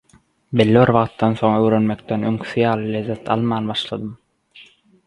Belli bir wagtdan soň öwrenmekden öňküsi ýaly lezzet alman başladym.